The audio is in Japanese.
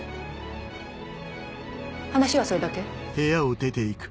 話はそれだけ？